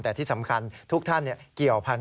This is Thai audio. แต่ที่สำคัญทุกท่านเกี่ยวพันธุ